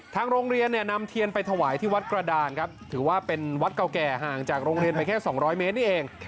ทางโรงเรียนเนี่ยนำเทียนไปถวายที่วัดกระดานครับถือว่าเป็นวัดเก่าแก่ห่างจากโรงเรียนไปแค่๒๐๐เมตรนี่เอง